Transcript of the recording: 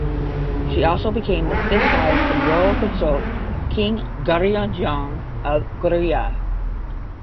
She also become the fifth wife and Royal Consort of King Gyeongjong of Goryeo.